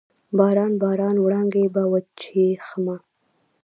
باران، باران وړانګې به وچیښمه